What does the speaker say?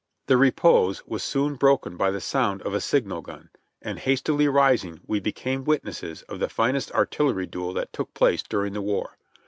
The repose was soon broken by the sound of a signal gun, and hastily rising we became witnesses of the finest artillery duel that took place during the war.